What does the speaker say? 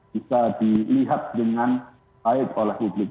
bisa dilihat dengan baik oleh publik